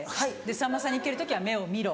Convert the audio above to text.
さんまさんに行ける時は目を見ろ。